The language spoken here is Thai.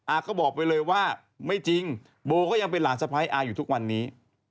อาก็บอกไปเลยว่าไม่จริงโบก็ยังเป็นหลานสะพ้ายอาอยู่ทุกวันนี้